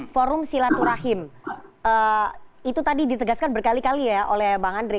forum silaturahim itu tadi ditegaskan berkali kali ya oleh bang andre